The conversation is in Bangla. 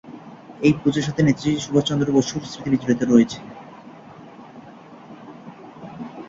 এই পূজার সাথে নেতাজী সুভাষ চন্দ্র বসুর স্মৃতি বিজড়িত রয়েছে।